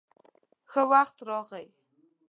_ښه وخت راغلې.